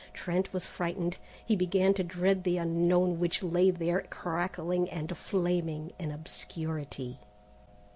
Trent was frightened. He began to dread the unknown, which lay there crackling and flaming in obscurity.